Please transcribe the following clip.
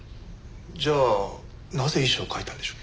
じゃあなぜ遺書を書いたんでしょう？